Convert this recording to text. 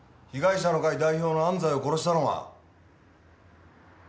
被害者の会代表の安西を殺したのは？